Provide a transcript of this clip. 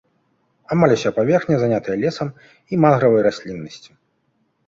Амаль уся паверхня занятая лесам і мангравай расліннасцю.